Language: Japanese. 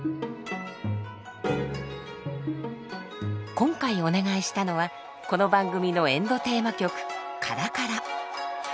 今回お願いしたのはこの番組のエンドテーマ曲「からから」。